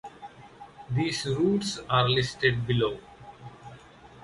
These routes are listed below.